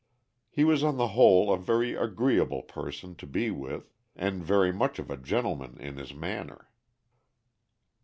He was on the whole a very agreeable person to be with, and very much of a gentleman in his manner.